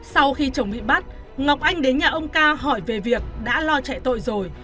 sau khi chồng bị bắt ngọc anh đến nhà ông ca hỏi về việc đã lo chạy tội rồi